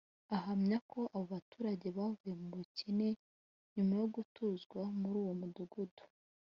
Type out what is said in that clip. ahamya ko abo baturage bavuye mu bukene nyuma yo gutuzwa muri uwo mudugudu